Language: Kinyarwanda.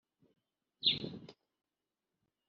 Ku itariki ya kanama